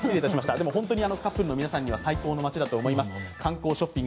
でもカップルの皆さんには最高の街だと思います。